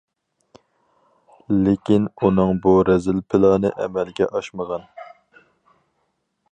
لېكىن ئۇنىڭ بۇ رەزىل پىلانى ئەمەلگە ئاشمىغان.